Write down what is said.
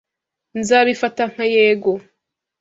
Nzabifata nka yego.